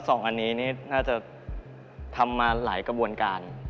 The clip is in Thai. ผมว่า๒อันนี้น่าจะทำมาหลายกระบวนการ